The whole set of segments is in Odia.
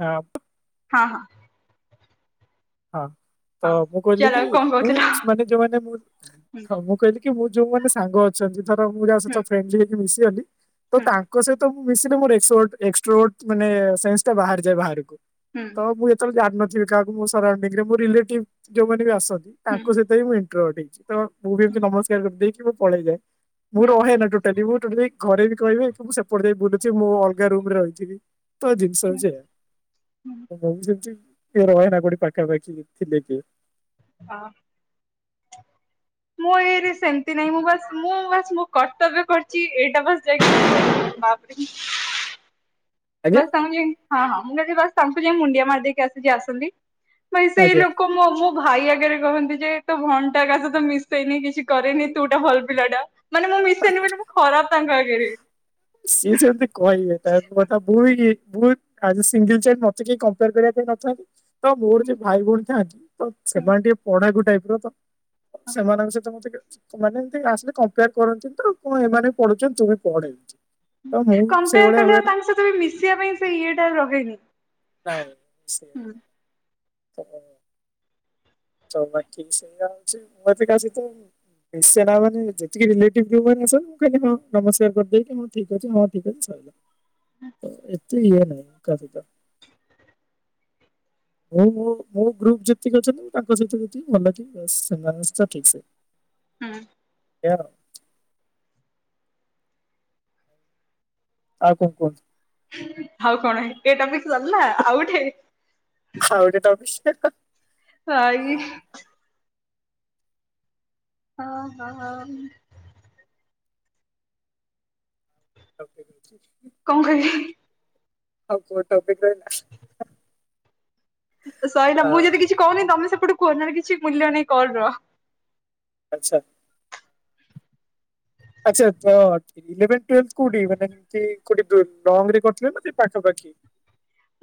ହଁ ହଁ ହଁ ହଁ ତ ହଁ ମୁଁ କହିଲି ଚାଲ କି କଣ ମୁଁ କହୁଥିଲ? ମାନେ ଯୋଉମାନେ ମୁଁ ହୁଁ ହଁ ମୁଁ କହିଲି କି ମୁଁ ଯୋଉ ମାନେ ସାଙ୍ଗ ଅଛନ୍ତି ଧର ମୁଁ ଯା ହୁଁ ସହିତ ଫ୍ରେଣ୍ଡଲି ହେଇକି ମିଶିଗଲି ତ ତାଙ୍କ ତା ସହି ମିଶିଲି ମୋର ଏକ୍ସସୋଟ ଏକ୍ସଟ୍ରୋଟ ମାନେ ସେନ୍ସ ଟା ବାହାରି ଯାଏ ବାହାରକୁ ହୁଁ ହୁଁ ତ ମୁ ତ ଜାଣିନଥିବେ କାହାକୁ ମୋ ସରାଉଣ୍ଡିଂ ମୋ ରିଲେଟିଭ ଯୋଉମାନେ ବି ଆସନ୍ତି ହୁଁ ତାଙ୍କ ସହିତ ମୁଁ ଇଣ୍ଟର୍ଭର୍ଟ ହେଇଯାଏ ତ ମୁଁ ବି ହୁଁ ଏମିତି ନମସ୍କାର କରି ଦେଇ କି ମୁଁ ପଳେଇଯାଏ ମୁଁ ହୁଁ ରହେନା ଟୋ ସେଠି ମୁଁ ଟୋଟାଲି ଘରେ ବି କହିବେ ମୁଁ ସେପଟ ଯାଇ ବୁଲୁଛି ମୁଁ ଅଲଗା ରୁମ ରେ ରହିଥିବି ତ ଜିନିଷ ହୁଁ ହୁଁ ସେଇଆ ପାଖାପାଖି ଥିଲେ କିଏ ହଁ ମୁଁ ଏଇରେ ସେମିତି ନାହିଁ ମୁଁ ବାସ ମୁଁ ବାସ୍ ମୁଁ କର୍ତ୍ତବ୍ୟ କରିଛି ଏଇଟା ବାସ୍ ବାପରେ ଆଜ୍ଞା। ବାସ ସାଙ୍ଗ ହଁ ହଁ ମୁଁ ଯଦି ବାସ ତାଙ୍କୁ ଯାଇ ମୁଣ୍ଡିଆ ମାରି ଦେଇକି ଆସି ଯା ଆସନ୍ତି ବ ସେଇ ଆଜ୍ଞା ଲୋକ କ ମୋ ମୋ ଭାଇ ଆଗରେ କହନ୍ତି ଯେ ତୋ ଭଉଣୀ ଟା କାହା ସହିତ ମିଶେନି କିଛି କରେନି ତୁ ଟା ଭଲ ପିଲାଟା ମାନେ ମୁଁ ମିଶେନି ବୋଲି ମୁଁ ଖରାପ ତାଙ୍କ ଆଗରେ ସିଏ ସେମତି କହିବେ ତାଙ୍କ କଥା [unintelligible] ଆଉ ସିଙ୍ଗଲ ଚେନ୍ ମତେ କେହି କମ୍ପେୟାର କରିବା ପାଇଁ ନଥାନ୍ତି ତ ମୋର ଯେ ଭାଇ ଭଉଣୀ ଥାନ୍ତି ତ ସେମାନେ ଟିକେ ପଢାଗୁ ଟାଇପ ର ତ। ସେମାନଙ୍କ ସହିତ ମତେ ସେମାନେ ଏମିତି ଆସିଲେ କମ୍ପେୟାର କରନ୍ତି ତ କଣ ଏମାନେ ବି ପଢୁଛନ୍ତି ତୁ ବି ପଡେ ଏମିତି। ତ ମୁଁ କମ୍ପେୟାର ସେଇଭଳିଆ କଲେ ହୁଏ ଆଉ ନା ତାଙ୍କ ସହିତ ବି ମିଶିବା ପାଇଁ ସେ ଇଏ ଟା ରହେନି। ନାଇ ସେୟା ହୁଁ ପରା କହ। ସମୟ ଠିକ୍ ସେୟା ହେଉଛି ମୁଁ ଏମିତି କାଆ ସହିତ ମିଶେନା ମାନେ ଯେତିକି ରିଲେଟିଭ ଯୋଉ ମାନେ ସୋ ମୁଁ ଖାଲି ନମସ୍କାର କରିଦେଇକି ହଁ ଠିକ ଅଛି ହଁ ଠିକ ଅଛି। ଏତେ ଇଏ ନାଇ କାଆ ସହିତ। ମୁଁ ମୋ ଗ୍ରୁପ ଯେତିକି ଅଛନ୍ତି ତାଙ୍କ ସହିତ ଯେତିକି ଭଲ କି ସେମାନେ ସହ ଠିକ ସେ। ହୁଁ। ଏଆ। ଆଉ କଣ କୁହ। ଆଉ କଣ ଏତେ ଟପିକ ସରିଲା ଆଉ ଗୋଟେ। ଆଉ ଗୋଟେ ଟପିକ ଷ୍ଟାର୍ଟ। ହାଇ। ହଁ ହଁ ହଁ। ଆ [unintelligible] କଣ କହିବି ହି। ଆଉ କୋଉ ଟପିକ ରହିଲା। ତ ସଇଲା ଆ, ମୁଁ ଯଦି କିଛି କହୁନି ତମେ ସେପଟ କୁହ ନଏଲେ କିଛି ମୂଲ୍ୟ ନାଇ କଲ ର। ଆଚ୍ଛା। ଆଚ୍ଛା ଥଟ ଇଲେଭେନ ଟୁୱେଲ୍ଥ କୋଉଠି ମାନେ ଏମତି କୋଠି ଲଙ୍ଗ ରେ କରିଥିଲେ ନା ଏଇ ପାଖପାଖି।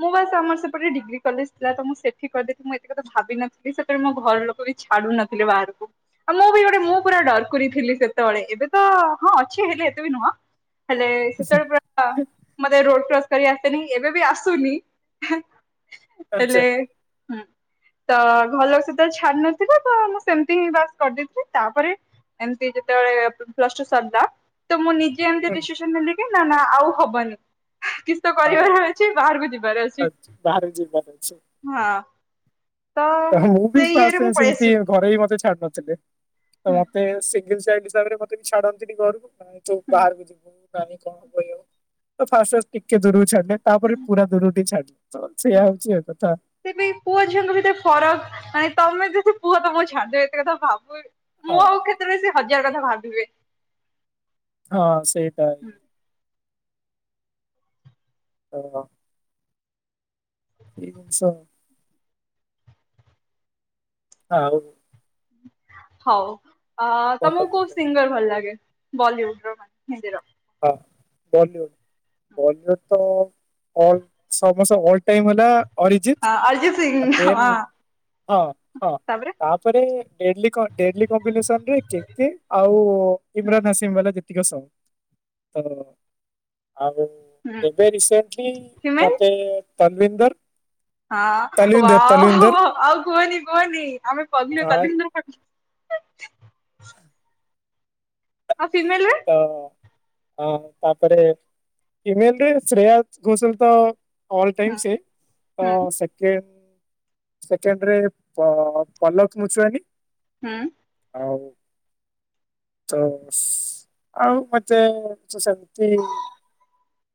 ମୁଁ ବାସ ଆମର ସେପଟେ ଡିଗ୍ରୀ କଲେଜ ଥିଲା ତ ମୁଁ ସେଠି କରି ଦେଇ ମୁଁ ଏତେ କଥା ଭାବିନଥିଲି ସେପଟେ ମୋ ଘର ଲୋକ ବି ଛାଡୁ ନଥିଲେ ବାହାରକୁ। ଆଉ ମୁଁ ବି ଗୋଟେ ମୁଁ ପୁରା ଡରକୁରି ଥିଲି ସେତେବେଳେ ଏବେ ତ ହଁ ଅଛି ହେଲେ ଏତେ ବି ନୁହଁ। ହେଲେ ସେତେବେଳେ ପୁରା [inaudible] ମତେ ରୋଡ କ୍ରସ୍ କରି ଆସେନି ଏବେ ବି ଆସେ ସୁନି [inaudible] ହେ [inaudible] ଆଚ୍ଛା ହେଲେ [inaudible] ହୁଁ। ତୋ ଘର ଲୋକ ସହିତ ଛାଡି ନଥିଲା ତୋ, ମୁଁ ସେମିତି ହିଁ ବାସ କରିଦେଇଥିଲି ତାପରେ ଏମତି ଯେତେବେଳେ ପ୍ଲସଟୁ ସରିଲା। ତ ମୁଁ ନିଜେ ଏମିତି ହୁଁ, ଡିସିସନ ନେଲି କି ନା ନା ଆଉ ହବନି। [inaudible] କିଛି ତ ହଁ କରିବାର ଅଛି। ଚି ବାହାରକୁ ଯିବାର ଅଛି ଆଚ୍ଛା, ବାହାରେ ଯିବାର ଅଛି [inaudible] ହଁ। ତ ମୁଁ ବି ସେଇ ଫାଷ୍ଟ ଇଏରେ ଟା ମୁଁ ପଳେଇ ସେମତି ଆସିବି। ଘରେ ବି ମତେ ଛାଡୁ ନଥିଲେ। [inaudible] ତ ହୁଁ ମତେ ସେ କିନ୍ତୁ ସେ ହିସାବରେ ମତେ ଛାଡନ୍ତିନି ଘର କୁ। ହୁଁ ବାହାରକୁ ଯିବୁ [unintelligible] ତ ଫାଷ୍ଟ ଫାଷ୍ଟ ଟିକେ ଦୂରକୁ ଛାଡ଼ିଲେ। ତାପରେ ପୁରା ଦୁରକୁ ଟିକେ ଛାଡଲେ। [inaudible] ସେଇୟା ହଉଛି ଏ କଥା। ତେବେ ପୁଅ ଝିଅଙ୍କ ଭିତରେ ଫରକ, ମାନେ ତମେ ଦି ପୁଅ ତମକୁ ଛାଡ ଦେବେ ଏତେ କଥା ଭାବୁନି। ହଁ। ତେବେ ସେ ହଜାର କଥା ଭାବିବେ। ହଁ ସେଇଟା [unintelligible] ଏମିତି ସବୁ ଆଉ [inaudible] ହଉ ଆ କଣ ତମକୁ କୋଉ ଟପିକ୍ ରହିଲା ସିଙ୍ଗର ଭଲ ଲାଗେ? ବଲିଉଡ ର ହିନ୍ଦୀର। ହଁ [inaudible] ବଲିଉଡ଼ ବଲିଉଡ ତ [inaudible] ଅଲ ସମସ୍ତ ଅଲ ଟାଇମ ହେଲା ଅରିଜିତ। [unintelligible] ଦେନ୍ ହଁ। ହଁ [inaudible] ହଁ। ତାପରେ ଡେଲି କ କମ୍ବିନେସନରେ କେକେ ଆଉ ହୁଁ ଇମ୍ରାନ ହାସିମ ବାଲା ଦେ [unintelligible] ତ [inaudible] ଆଉ ହୁଁ [inaudible] ଏବେ ରିସେଣ୍ଟଲି ହ୍ୟୁମେନ୍ ମତେ ତନ୍ବିନ୍ଦର୍। ହଁ ୱାଓ ଆଉ କୁହନି କୁହନି ଆମେ ପଗ୍ଲେ ଆ ବଳିନ୍ଦର୍ ପାର୍ଟି। ଆଉ ଫିମେଲରେ? ତ [inaudible] ହଁ ତାପରେ [inaudible] ଫିମେଲରେ ଶ୍ରେୟା ଘୋଷଲ ତ ଅଲ ହୁଁ ଟାଇମ୍ ସେ। [inaudible] ତ ହୁଁ ସେକେଣ୍ଡ ସେକେଣ୍ଡରେ [inaudible] ପ ପଲକ ମୁଚୁଆନୀ ହୁଁ। ହଉ ତ [unintelligible] ଆଉ ମତେ ସେମିତି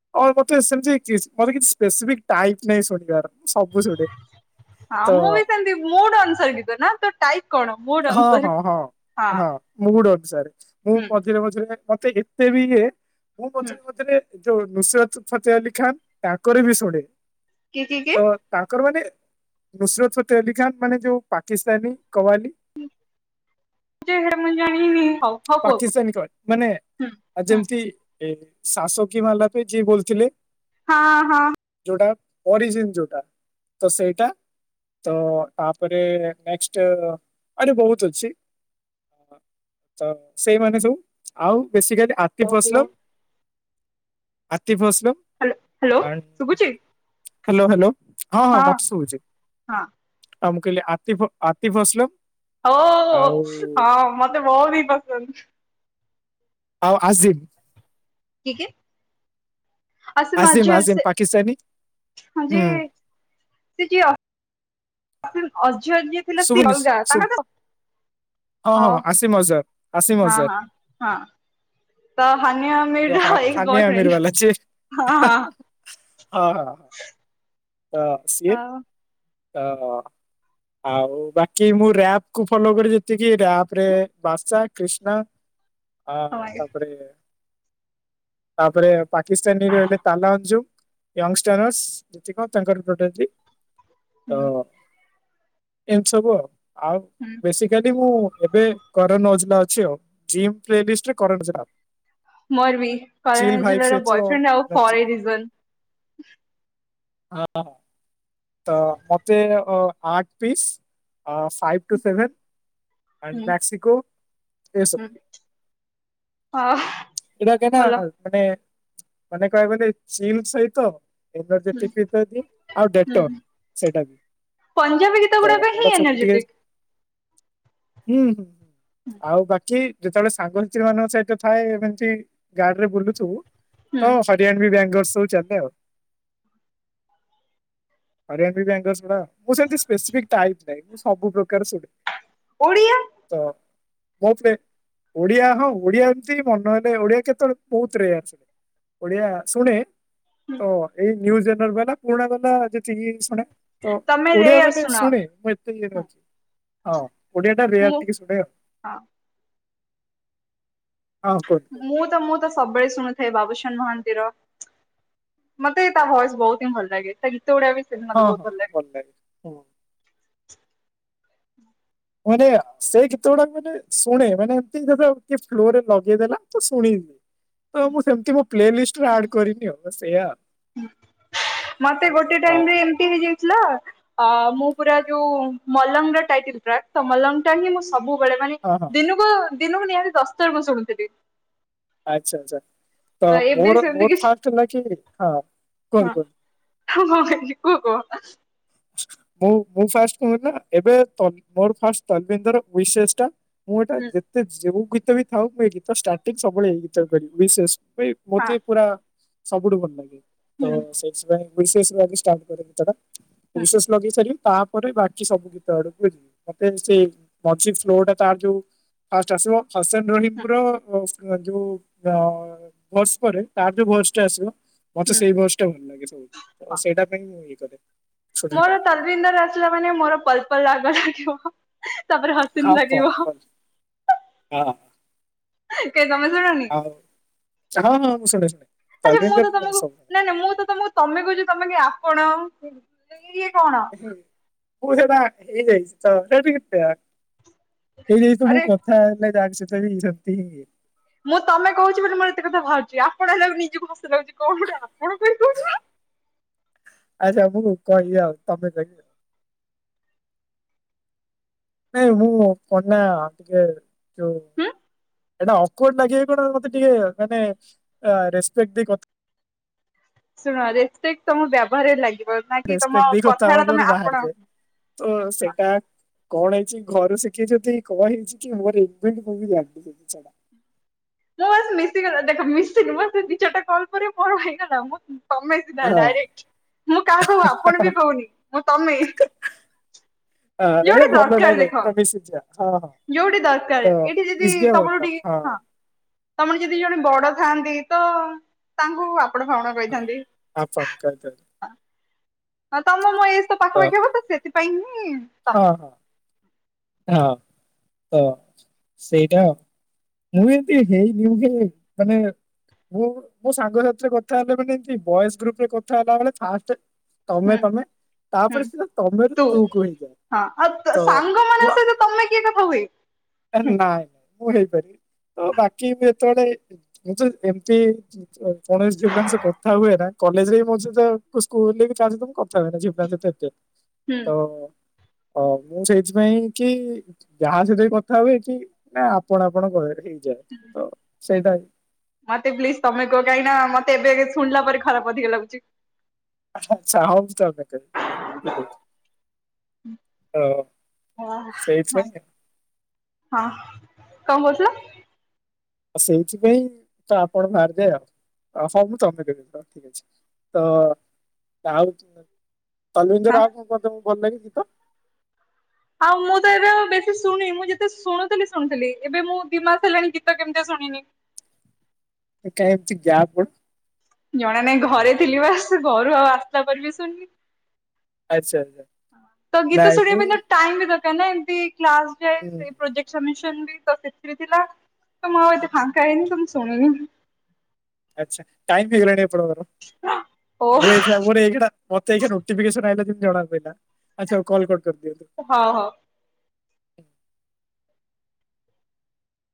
[unintelligible] [inaudible] ହଁ ତ ମୁଁ ବି ସେମିତି ମୁଡ ଅନୁସାରେ ଗିତ ନା ତ ଟାଇପ କଣ? ମୋର୍ ହଁ ହଁ ହଁ [inaudible] ହଁ ମୁଡ୍ ଅନୁସାରେ [inaudible] ମୁଁ ହୁଁ ପଚ୍ ମଝିରେ ମଝିରେ ମତେ ଏତେ ବି ଇଏ ମୁଁ ହୁଁ ପଚାରେ ପଚାରେ ଯୋଉ ନୁସିରତ୍ ଫତେ ଅଲି ଖାଁ [inaudible] ତାଙ୍କରେ ବି ଶୁଣେ। କି କି [inaudible] କି ତ ତାଙ୍କର ମାନେ [inaudible] ନୁସିରତ୍ ଫତେ ଅଲି ଖାନ ମାନେ ଯୋଉ ପାକିସ୍ତାନୀ କବାଲି। କିଏ ହେଟା ମୁଁ ଜାଣିନି? ହଉ ହଉ କୁହ କୁହ ପାକିସ୍ତାନୀ ତଳେ ମାନେ ହୁଁ [inaudible] ହୁଁ ଯେମିତି [inaudible] ଏ ଶାସକୀ ମାଲାକି ଜି ବୋଲୁ ଥିଲେ। ହଁ ହଁ। ଯୋଉଟା [inaudible] ଓରିଜିନ୍ ଯୋଉଟା [inaudible] ତ ସେଇଟା ତ ତାପରେ ନେକ୍ସଟ୍ [inaudible] ମାନେ ବହୁତ ଅଛି। ତ ସେଇମାନେ ସବୁ ଆଉ ବେଶୀ କାଲି ଆତି ପସଲ। ହ୍ୟାଲୋ ଆତିଫସଲ ହ୍ୟାଲୋ ହ୍ୟାଲୋ ଆଣ୍ଡ ଶୁଭୁଛି ହ୍ୟାଲୋ ହ୍ୟାଲୋ। ହଁ ହଁ ମତେ ସୁବୁଛି, ହଁ ଆଉ ମୁଁ କହିଲି ଆତି ଫସ ଲମ୍। ହୋ ହୋ ହଁ ମତେ ବହୁ ବି ପସନ୍ଦ। ଆଉ ଆଜିିଲ୍। କିଏ କିଏ? ଆଜିମ ଆଜିମ୍ ପାକିସ୍ତାନୀ। ହଁ ଯେ ହୁଁ ସିଏ ଯେ ଅଯୟ ଯିଏ ଥିଲା ସେ ଶୁଭୁନି ଅଲଗା ଶୁଭ ତାଙ୍କ ତା ହଉ ହଁ ହଁ ହଁ ତ ହାନି ଆ ଯଉ ଛାଣିଆ ଆମିର ବାଲା ଛି ହଁ ହଁ ହଁ। ହଁ। ହଉ। ଅ ହ। ଆଉ ବାକି ମୁଁ ରାପ କୁ ଫଲୋ କରି ଯେତିକି ରାପରେ ବାସା କ୍ରିଷ୍ଣା [inaudible] ହଁ ହୁଁ ତାପରେ ତାପରେ ପାକିସ୍ତତାନ ର ହିଲେ। ତା ନା ଅଜୁ ୟଙ୍ଗ ଷ୍ଟାର ଅସ୍ ଯେତିକ ତାଙ୍କର। [unintelligible] ତ ଏମିତି ସବୁ ଆଉ, ଆଉ। ହଁ। ବେଶିକାଲି ମୁଁ ଏବେ କରନ ଓଜଲା ଅଛି ଆଉ ଜିମ୍ ପ୍ଲେ ଲିଷ୍ଟ ରେ କରନ ଓଜଲା। ମୋର ବି ଚିଲ୍ ଫରେନ୍ ଭାଇବ୍ ଜିଲ୍ଲାର ସହିତ ବୟଫ୍ରେଣ୍ଡ ଆଉ ଫରେ ରିଜନ୍। ଅ ଆ। ତ ମତେ ଆଠ ପିସ୍ ଫାଇ ଟୁ ସେଭେନ ହୁଁ ଏସବୁ ହଁ ହଁ। ଏଇଟା କେ ନା ମାନେ ମାନେ କହ ବୋଲି ଚିଲ ସହିତ ଇନୋ ହୁଁ ଦେଡିଟିଭି [unintelligible] ଆଉ ହୁଁ ଦେଟପ୍ ସେଟା। ପଞ୍ଜାବୀ ଗୀତ ଗୁଡ଼ା କ ହିଁ ଟିକେ ଏନର୍ଜେଟିକ୍। ହୁଁ ହୁଁ ଆଉ ବାକି ଯେତେବେଳେ ସାଙ୍ଗସାଥି୍ ମାନଙ୍କ ସହିତ ଥାଏ ଗାଡ ରେ ବୁଲୁଥିବୁ ହୁଁ ତ ହରିୟଣ ବି ବ୍ୟାଙ୍ଗର୍ ସବୁ ଚାଲେ ଆଉ। [inaudible] ହରିୟାର ବେଙ୍ଗସ ନା ମୁଁ ସେ ସ୍ପେଶିପିକ ଟାଇମ ନାହିଁ ମୁଁ ସବୁ ପ୍ରକାର ସୁବିଧା ଓଡ଼ିଆ। ତ ମୋ ଉପରେ ଓଡିଆ ହଉଁ ଓଡିଆ ଏମିତି ମନହେ ଓଡିଆ କେତେବେଳେ କଉଥିରେ ରେ ଆଛା, ଓଡିଆ ଶୁଣେ, ତ ଏଇ ନିଉ ଜେନର ବାଲା ପୁରୁଣା ବାଲା ଯେତିକି ଶୁଣେ ତ ତମେ ଓଡିଆ ରେୟାର ମାନେ ଶୁଣ ଶୁଣେ [unintelligible] ହଁ ଓଡ଼ିଆ ଟା ରେୟ ମୁଁ ଟିକେ ଶୁଣେ। ହଁ ହଁ କୁହ। ମୁଁ ତ ମୁଁ ତ ସବୁବେଳେ ଶୁଣୁଥାଏ ବାବୁସାନ ମହାନ୍ତିର। ମତେ ତା ଭଏସ ବହୁତ ହିଁ ଭଲ ଲାଗେ ତା ଗୀତ ଗୁଡ଼ା ଆ ବି ସେ ହଁ ମତେ ବହୁତ ହଁ ଭଲ ଲାଗେ। ହଁ ମାନେ ସେ ଗୀତ ଗୁଡାକ ମାନେ ଶୁଣେ ମାନେ ଏମତି ସେଟା ଫ୍ଲୋରରେ ଲଗେଇଦେଲା ତ ଶୁଣି ତ ମୁଁ ସେମତି ମୋ ପ୍ଲେଲିଷ୍ଟରେ ଆଡ କରିନି ଆଉ ବାସ ଏଇଆ। ହୁଁ ମତେ ଗୋଟେ ଟାଇମ ରେ ଏମିତି ହେଇଯାଇ ଲା ଆଉ ମୁଁ ପୁରା ଯୋଉ ମଲଙ୍ଗ୍ ର ଟାଇଟେଲ ଟ୍ରାକ ତ ମଲାଙ୍ଗ୍ ଟା ହିଁ ସବୁବେଳେ ମାନେ ହଁ ହଁ ଦିନକୁ ଦିନକୁ ନିହାତି ଦଶ ଥର ମୁଁ ଶୁଣୁଥିଲି। ଆଚ୍ଛା ଆଛା ତ ଏବେ ମୋର ସେମିତି ମୋର କିଛି ଫାଷ୍ଟ ଥିଲା କି ହଁ କୁହନ୍ତୁ। ହଁ ହଁ ହେଲି କୁହ। ମୁଁ ମୁଁ ଫାଷ୍ଟ କହେ ନା ଏବେ ତଲ ମୋର ଫାଷ୍ଟ ତଲବିନ୍ଦର ଉଇସେସ ଟା। ମୁଁ ଏଟା ହୁଁ ଯେତେ ଯୋଉ ଗୀତ ବି ଥାଉ ମୁଁ ଏଇ ଗୀତ ଷ୍ଟାର୍ଟିଙ୍ଗ ସବୁବେଳେ ଏଇ ଗୀତ କରିବି ବିଶେଷ ହଁ ମୋତେ ପୁରା ସବୁଠୁ ଭଲ ଲାଗେ ତ ହୁଁ ସେ ସେଇ ବିଶେଷ୍ କରି ଷ୍ଟାର୍ଟ କରେ ଗୀତ ଟା ହୁଁ ବିଶେଷ୍ ଲଗେଇ ସାରିବି ତା ପରେ ବାକି ସବୁ ଗୀତ ଆଡକୁ ଯିବି ମତେ ସେ ମଝି ଫ୍ଲୋ ଟା ତାର ଯୋଉ ଫାଷ୍ଟ ଆସିବ। ହସେନ ରହିମ ହୁଁ ବ୍ରୋ [unintelligible] ଯୋଉ। ତ ଭଏସ୍ ପରେ ତାର ଯଉ ଭଏସ୍ ଟା ଆସିବ ମତେ ହୁଁ ସେଇ ଭଏସ୍ ତ ଭଲ ଲାଗେ ସବୁ ହଁ ସେଇଟା ପାଇଁ ମୁଁ ଇଏ କରେ। ଶୁଣେ ମୋର ତାକୁ ତଲବିନ୍ଦର ଆସିଲା ମାନେ ମୋର ପଲ୍ ପଲ୍ ଆଗ ଲାଗିବ। ତାପରେ ହସିନ ହଁ ଲାଗିବ ପଲ୍ ପଲ୍ ଆହ। କେ କଣପାଇଁ ଶୁଣ ନି? ଆଉ ସେମାନେ ନୁହେଁ ମୁଁ ଶୁଣେ ଶୁଣେ। ଆଛା ମୁଁ ତନ୍ମୟଙ୍କର ତ ତମକୁ ସବୁ ନାଇଁ ନାଇଁ ମୁଁ ତ ତମକୁ ତମେ କହୁଚି ତମେ କି ଆପଣ ଇଏ କଣ। ହୁଁ ମୁଁ ସେଇଟା ହେଇ ଯାଇଚି ତ ସେଟା ଟିକେ ହେଇ ଯାଇଚି ତ ମୁଁ ଆରେ କଥା ହେଲେ ଯାହା କିଛି ଦେବି ସେତିକି ହିଁ ନିଏ। ମୁଁ ତମେ କହୁଚି ବୋଲି ମୋର ଏତେ କଥା ଭାଆରୁଚି ଆପଣ ହେଲ ନିଜିକୁ ହସ ଲାଗୁଚି କଣ ଟେ ଆପଣଙ୍କୁ। ଆଚ୍ଛା ମୁଁ କହିବି ଆଉ ତମେ କହିବି ଆଉ। ନାଇଁ ମୁଁ କଣ ନା ଟିକେ ଯୋଉ। ହୁଁ। ଏଇଟା ଆକୱର୍ଡ ଲାଗିବ ନା କଣ ମତେ ଟିକେ ମାନେ ଆ ରେସ୍ପେକ୍ଟ ଦେଇ କ ଶୁଣ ରେସ୍ପେକ୍ଟ ତମ ବ୍ୟାବହାରରେ ଲାଗିବ ନା କି ତମ ରେସପେକ୍ଟ କଥାଟା ତମେ ଆପଣ ହୁଁ। ଓ ସେଇଟା। କଣ ହେଇଛି ଘରୁ ଶିଖେଇ ଛନ୍ତି କଣହେଇଛି କି ମୋର ଏ ଈଂବିଲଡ ମୁଁ ବି ଜାଣିନି କିଛି ଛାଡ଼। ମୁଁ ବାସ୍ ମିଶିଗଲା ଦେଖ ମିଶିନି ମୁଁ ସେ ଦି ଚାରଟା କଲ୍ ପରେ ମୋର ହେଇଗଲା ମୁଁ। ତମେ ସିଧା ହଁ ଡାଇରେକ୍ଟ ମୁଁ କାହାକୁ ଆପଣ ବି କହୁନି ମୁଁ ତମେ। ହା ଆରେ ଯୋଉଠି ଭଲ ଦରକାର ନାଇଁ ନାଇଁ ଦେଖ ଏଇଟା ମିଶିଯା ହଁ ହଁ। ଯୋଉଠି ଦରକାରେ ତ ଏଇଠି ଯଦି ଇଏ ଭଲ ତମର ବି ହଁ। ତମର ଯଦି ଜଣେ ବଡ ଥାଆନ୍ତେ ତ ତାଙ୍କୁ ଆପଣ ଫାପଣ ହଁ କହିଥାନ୍ତି। ଆପଣ କରିଦେବେ। ହଁ ତମ ମୋ ଏଜ୍ ତ ପାଖପାଖି ହବ ତ ସେଥିପାଇଁ ହିଁ। ହଁ ତମେ ହଁ ହଁ କହ ସେଇଟା। ମୁଁ ଏମିତି ହେଇନି ମୁଁ କେବେ ମାନେ। ମୁଁ ମୋ ସାଙ୍ଗ ସାଥିରେ କଥା ହେଲେ ମାନେ ଏମତି ବଏଜ୍ ଗ୍ରୁପ ରେ କଥା ହେଲାବଳେ ଫାଷ୍ଟେ। ତମେ ହୁଁ ତମେ ହୁଁ ତାପରେ ସିଧା ତମେରୁ ତୁ କୁ ହେଇଯାଏ ତ। [unintelligible] ମମେ କିଏ କଥା ହୁଏ। ଆରେ ହୁଁ ନାଇଁ ନାଇଁ ମୁଁ ହେଇପାରେ ତ ବାକି ମୁଁ ଯେତେବଳେ ମୁଁ ତ ଏମତି। [unintelligible] ସ କୌଣସି ଝିଅପିଲାଙ୍କ ଶହ କଥା ହୁଏ ନା କଲେଜରେ ରେ ବି ମୋ ସହିତ କୋଉ ସ୍କୁଲରେ ବି କାହା ସହିତ ମୁଁ କ ଥା ହୁଏନି ଝିଅପିଲାଙ୍କ ସହ ଏତେ ତ। ହୁଁ ଅ ମୁଁ ସେଇଥିପାଇଁ କି ଯାହା ସହିତ ବି କଥା ହୁଏ କି ନାଇ ଆପଣ ଆପଣ କହେ ହେଇ। ଯା ତ ସେଇଟା ବି। ମତେ ପ୍ଲିଜ ତମେ କୁହ କାହିଁକିନା ମତେ ଏବେ ଏବେ ଶୁଣିଲା ପରେ ଖରାପ ଅଧିକା ଲାଗୁଚି। ଆଚ୍ଛା ଆଚ୍ଛା ହଉ ମୁଁ ତମେ ଡାକିବି ଠିକ୍ ଅଛି। ଓହୋ ସେଇଥିପାଇଁ। ହଁ କଣ କରୁଥିଲ? ଆଉ ସେଇଥିପାଇଁ ତ ଆପଣ ବାହାରିଯାଏ ଆଉ ସବୁ ତମେ ଦେବେ ରଖି ଦେବେ। ତ ଆଉ ତଲବିନ୍ଦ ହଁ ଆଉ କଣ କଣ ତମକୁ ଭଲ ଲାଗେ ଗୀତ? ଆଉ ମୁଁ ତ ଏବେ ଆଉ ବେଶୀ ଶୁଣିନି ଯେତେ ଶୁଣୁଥିଲି ଶୁଣିଥିଲି ଏବେ ମୁଁ ଦିଇମାସ ହେଲାଣି ଗୀତ କେମିତି ଶୁଣିନି। ଏକା ବେଳେ ତୁ ଏମିତି ଯା ପଡ। ଜଣା ନାଇଁ ଘରେ ଥିଲି ବା ଆସ ଘରୁ ଆଉ ଆସିଲା ପରେ ବି ଶୁଣନି। ଆଚ୍ଛା ଆଚ୍ଛା ତ ଗୀତ ନାଇଁ ମୁଁ ଶୁଣିବା ପାଇଁ ଟାଇମ ବି ଦରକାର ନା ଏମିତି କ୍ଲାସ୍ ହୁଁ। ପୋଜେକ୍ଟେ ସଦୁସ୍ନ ବି ସେଥିରେ ଥିଲା ତ ମୁଁ ଆଉ ଏ ଫାଙ୍କା ହେଇନି ତ ଶୁଣିନି। ଆଛା ଟାଇମ୍ ବି ହେଇଗଲାଣି ଆପଣଙ୍କର। ଓ କୁଆଡେ ଜାଇଚୁ ଡ଼ା ମତୋ ଏଖୁଣିଆ ନୋତିପିକେସ୍ନ ଆସିଲା ଯେମିତି ଜଣା ପାଇଲା ଆଛା ହୋଉ କଲ୍ କରିଦିଅନ୍ତୁ। ହଉ ହଉ।